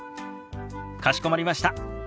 かしこまりました。